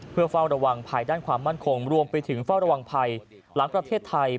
เพื่อเฝ้าระวังภายด้านความมั่นคงรวมไปถึงเฝ้าระวังภัยหลังประเทศไทย